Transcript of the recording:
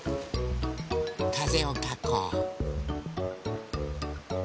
かぜをかこう。